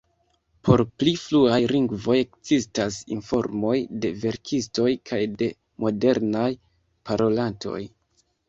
Por pli fruaj lingvoj ekzistas informoj de verkistoj kaj de modernaj parolantoj.